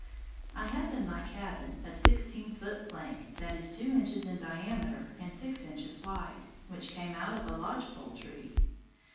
I have in my cabin a sixteen foot plank that is two inches in diameter and six inches wide, which came out of a lodge pole tree.